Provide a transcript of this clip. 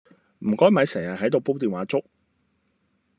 唔該咪成日喺度煲電話粥